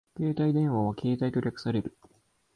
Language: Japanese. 携帯電話はケータイと略される